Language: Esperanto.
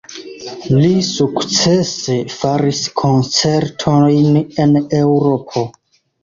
Li sukcese faris koncertojn en Eŭropo.